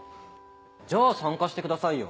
じゃあ参加してくださいよ。